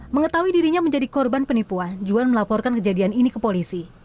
mengetahui dirinya menjadi korban penipuan juan melaporkan kejadian ini ke polisi